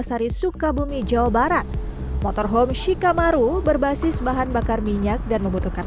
sari sukabumi jawa barat motorhome shikamaru berbasis bahan bakar minyak dan membutuhkan